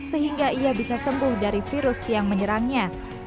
sehingga ia bisa sembuh dari virus yang menyerangnya